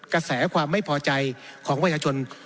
กระแสความไม่พอใจของประชาชน